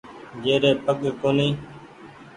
جيري پگ ڪونيٚ ۔